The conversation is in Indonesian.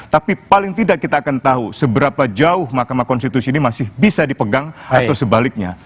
tapi paling tidak kita akan tahu seberapa jauh makamah konstitusi ini masih bisa dipegang atau sebaliknya